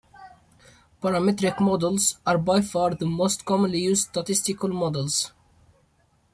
Parametric models are by far the most commonly used statistical models.